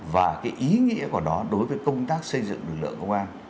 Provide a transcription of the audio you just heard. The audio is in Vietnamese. và cái ý nghĩa của nó đối với công tác xây dựng lực lượng công an